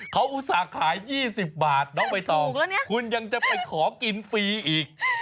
เขาอุตส่าห์ขาย๒๐บาทน้องใบตองคุณยังจะไปขอกินฟรีอีก